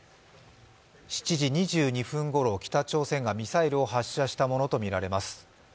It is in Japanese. ７時２２分ごろ、北朝鮮がミサイルを発射したものとみられます。